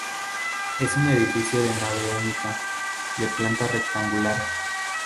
Es un edificio de nave única, de planta rectangular.